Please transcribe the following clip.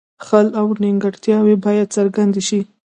خل او نیمګړتیاوې باید څرګندې شي.